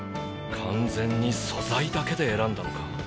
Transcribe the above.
完全に素材だけで選んだのか？